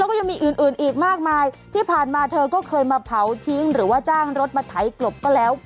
แล้วก็ยังมีอื่นอื่นอีกมากมายที่ผ่านมาเธอก็เคยมาเผาทิ้งหรือว่าจ้างรถมาไถกลบก็แล้ว